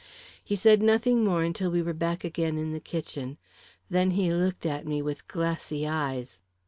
He said nothing more until we were back again in the kitchen. Then he looked at me with glassy eyes.